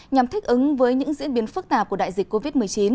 nhằm thích ứng với những diễn biến phức tạp của đại dịch covid một mươi chín